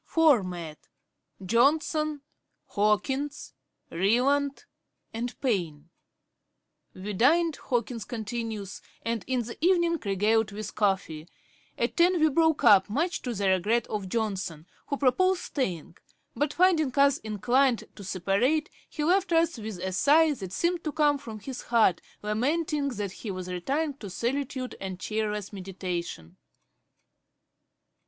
Four met Johnson, Hawkins, Ryland, and Payne (ante, i. 243). 'We dined,' Hawkins continues, 'and in the evening regaled with coffee. At ten we broke up, much to the regret of Johnson, who proposed staying; but finding us inclined to separate, he left us with a sigh that seemed to come from his heart, lamenting that he was retiring to solitude and cheerless meditation.' Hawkins's Johnson, p. 562.